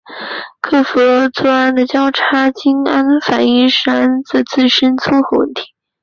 克服了做醛的交叉羟醛反应时醛的自身缩合问题。